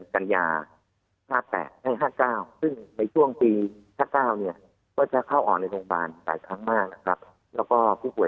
เขาได้หาลือในเรื่องการรักษากับผู้ป่วย